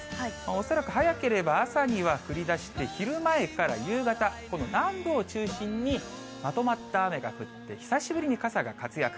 恐らく早ければ、朝には降りだして、昼前には夕方、この南部を中心にまとまった雨が降って、久しぶりに傘が活躍。